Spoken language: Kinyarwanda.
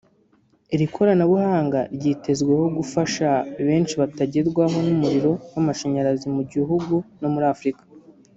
Iri koranabuhanga ryitezweho gufasha benshi bataragerwaho n’umuriro w’amashanyarazi mu gihugu no muri Afurika